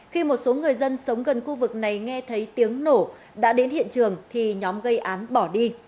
khi một số người dân sống gần khu vực này nghe thấy tiếng nổ đã đến hiện trường thì nhóm gây án bỏ đi